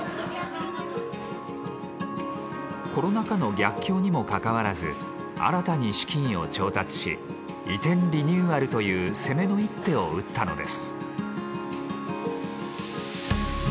コロナ禍の逆境にもかかわらず新たに資金を調達し移転リニューアルという攻めの一手を打ったのです。